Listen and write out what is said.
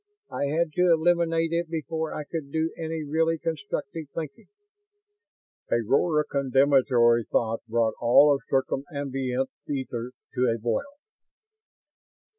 I had to eliminate it before I could do any really constructive thinking." A roar of condemnatory thought brought all circumambient ether to a boil.